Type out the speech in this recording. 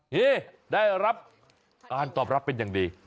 ได้รับการตอบรับเป็นอย่างดี